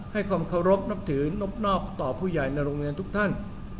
ความเคารพนับถือนบนอกต่อผู้ใหญ่ในโรงเรียนทุกท่าน